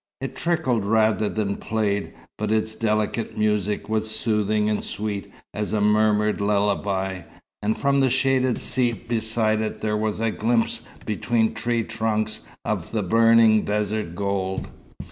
It trickled rather than played, but its delicate music was soothing and sweet as a murmured lullaby; and from the shaded seat beside it there was a glimpse between tree trunks of the burning desert gold.